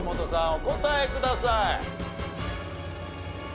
お答えください。